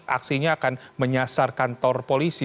aksinya akan menyasar kantor polisi